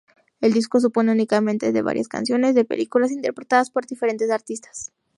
El disco supone únicamente de varias canciones de películas interpretadas por diferentes artistas.